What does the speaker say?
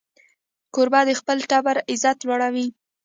کوربه د خپل ټبر عزت لوړوي.